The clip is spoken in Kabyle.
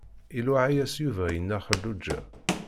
Iluɛa-yas Yuba i Nna Xelluǧa.